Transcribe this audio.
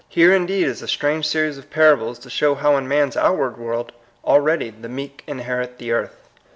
Here, indeed, is a strange series of parables to show how in man's oatward world already ^^ the meek inherit the earth."